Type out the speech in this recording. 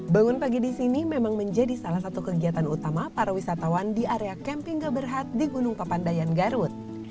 bangun pagi di sini memang menjadi salah satu kegiatan utama para wisatawan di area camping gaberhat di gunung papandayan garut